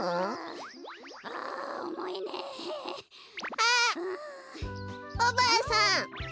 あっおばあさん